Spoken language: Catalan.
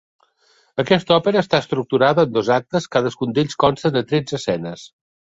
Aquesta òpera està estructurada en dos actes, cadascun d'ells consta de tretze escenes.